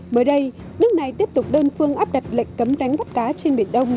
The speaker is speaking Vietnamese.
mới đây nước này tiếp tục đơn phương áp đặt lệnh cấm ránh gắt cá trên biển đông